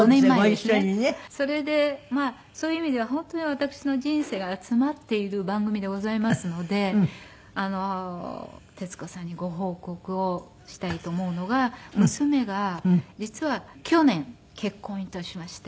それでそういう意味では本当に私の人生が詰まっている番組でございますので徹子さんにご報告をしたいと思うのが娘が実は去年結婚致しまして。